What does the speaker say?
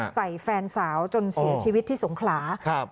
แฟนสาวจนเสียชีวิตที่สงขลาครับ